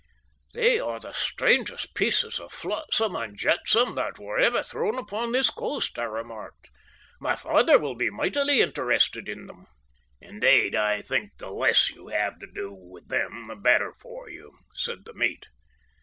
"They are the strangest pieces of flotsam and jetsam that were ever thrown upon this coast," I remarked. "My father will be mightily interested in them." "Indeed, I think the less you have to do with them the better for you," said the mate.